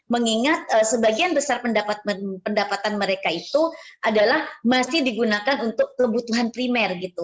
mengingat sebagian besar pendapatan mereka itu adalah masih digunakan untuk kebutuhan primer gitu